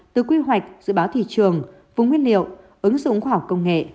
từ quy hoạch dự báo thị trường vùng nguyên liệu ứng dụng khoa học công nghệ